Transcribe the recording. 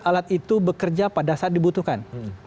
alat itu bekerja pada saat dibutuhkan